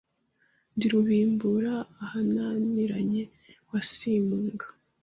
Ndi rubimbura ahananiranye wa Simpunga